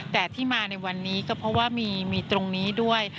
แต่ที่มาในวันนี้ก็เพราะว่ามีตรงนี้ด้วย